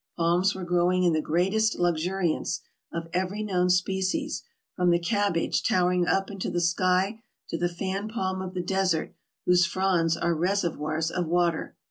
Palms were growing in the greatest luxuriance, of MISCELLANEOUS 419 every known species, from the cabbage towering up into the sky to the fan palm of the desert whose fronds are reser voirs of water.